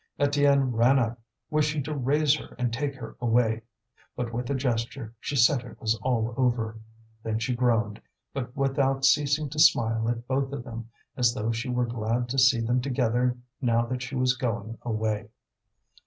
Étienne ran up, wishing to raise her and take her away; but with a gesture she said it was all over. Then she groaned, but without ceasing to smile at both of them, as though she were glad to see them together now that she was going away.